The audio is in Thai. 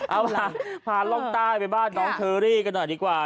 เอาล่ะพาล่องใต้ไปบ้านน้องเชอรี่กันหน่อยดีกว่า